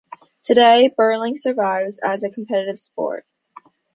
Today, birling survives as a competitive sport.